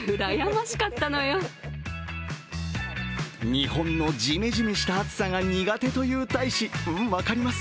日本のジメジメした暑さが苦手という大使、うん、分かります。